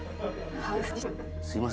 「すいません。